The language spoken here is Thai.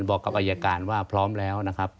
บอกกับอายการว่าพร้อมแล้วนะครับ